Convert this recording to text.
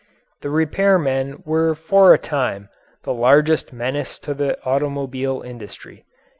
The repair men were for a time the largest menace to the automobile industry.